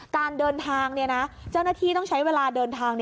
การเดินทางเจ้าหน้าที่ต้องใช้เวลาเดินทาง